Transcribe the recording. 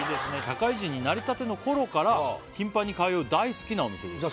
「社会人になりたての頃から頻繁に通う大好きなお店です」